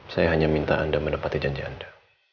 saya hanya minta anda menepati janji anda